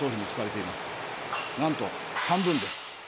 なんと半分です。